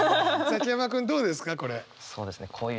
崎山君どうですか？